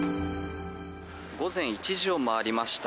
午前１時を回りました。